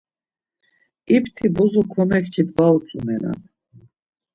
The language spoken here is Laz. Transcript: İpti bozo komekçit var utzumenan.